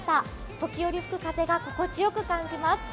時折吹く風が心地よく感じます。